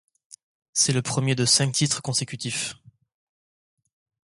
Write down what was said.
C'est le premier de cinq titres consécutifs.